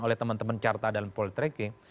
oleh teman teman carta dan poll tracking